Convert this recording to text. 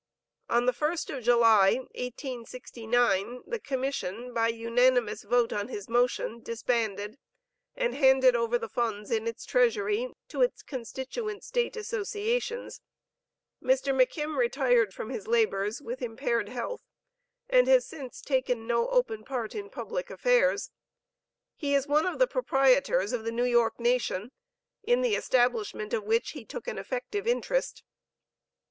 On the 1st of July, 1869, the Commission, by unanimous vote on his motion, disbanded, and handed over the funds in its treasury to its constituent State associations. Mr. McKim retired from his labors with impaired health, and has since taken no open part in public affairs. He is one of the proprietors of the New York Nation, in the establishment of which, he took an effective interest.